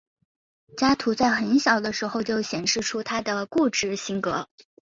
加图在很小的时候就显示出他的固执性格。